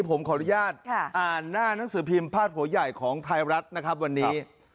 ผมขออนุญาตอ่านหน้านังสือพิมพ์พาดหัวใหญ่ของไทยรัฐนะครับวันนี้